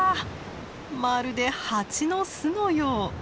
まるで蜂の巣のよう。